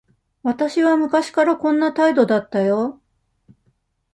私は昔からこんな態度だったよ。